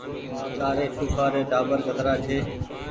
تآري ڦوڦآ ري ٽآٻر ڪترآ ڇي